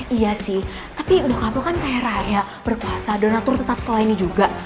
iya sih tapi udah kampel kan kaya raya berkuasa donatur tetap sekolah ini juga